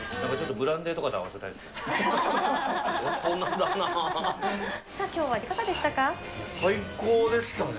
ブランデーとかと合わせたいですね。